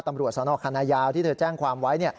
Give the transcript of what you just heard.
ตำรวจสนคณะยาวที่เธอแจ้งความไว้